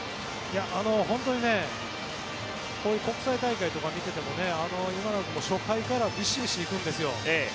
本当に国際大会とか見ていても今永君も初回からビシビシ行くんですよ。